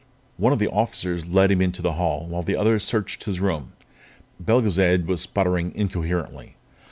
One of the officers led him out into the hall while the others searched his room. Belgezad was sputtering incoherently.